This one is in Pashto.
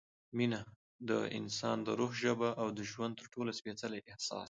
مینه – د انسان د روح ژبه او د ژوند تر ټولو سپېڅلی احساس